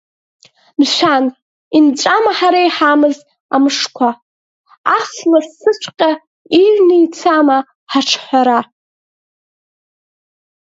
Мшәан, инҵәама ҳара иҳамаз амышқәа, ас лассыҵәҟьа иҩ ицама ҳаҿҳәара?!